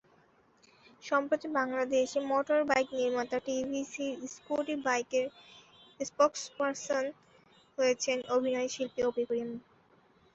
সম্প্রতি বাংলাদেশে মোটরবাইক নির্মাতা টিভিসির স্কুটি বাইকের স্পোকসপারসন হয়েছেন অভিনয়শিল্পী অপি করিম।